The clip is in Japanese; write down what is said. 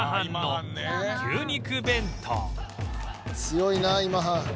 強いな今半。